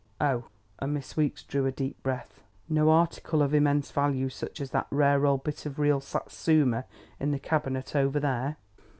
"Oh!" And Miss Weeks drew a deep breath. "No article of immense value such as that rare old bit of real Satsuma in the cabinet over there?"